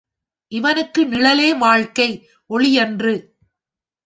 இவனுக்கு நிழலே வாழ்க்கை, ஒளியன்று!